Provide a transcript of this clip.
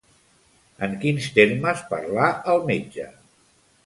En quins termes parlà el metge?